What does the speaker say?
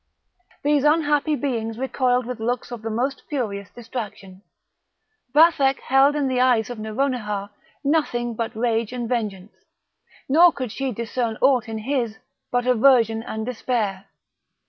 These unhappy beings recoiled with looks of the most furious distraction; Vathek beheld in the eyes of Nouronihar nothing but rage and vengeance, nor could she discern aught in his but aversion and despair.